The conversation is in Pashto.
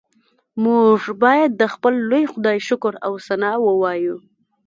موږ باید د خپل لوی خدای شکر او ثنا ووایو